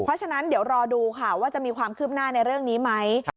เพราะฉะนั้นเดี๋ยวรอดูค่ะว่าจะมีความคืบหน้าในเรื่องนี้ไหม